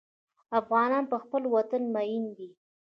افغانان په خپل وطن مین دي.